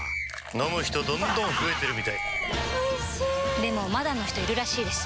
飲む人どんどん増えてるみたいおいしでもまだの人いるらしいですよ